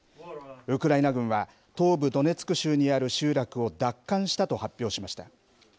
ウクライナ軍は、東部ドネツク州にある集落を奪還したと発表しました。